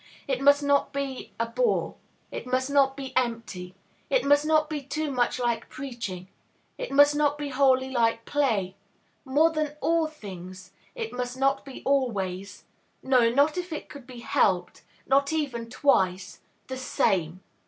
It must not be a bore. It must not be empty; it must not be too much like preaching; it must not be wholly like play; more than all things, it must not be always no, not if it could be helped, not even twice the same!